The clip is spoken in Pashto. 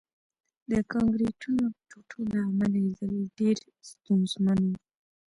د کانکریټو ټوټو له امله لیدل ډېر ستونزمن وو